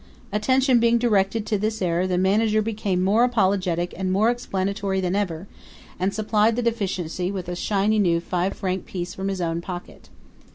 Attention being directed to this error the manager became more apologetic and more explanatory than ever, and supplied the deficiency with a shiny new five franc piece from his own pocket.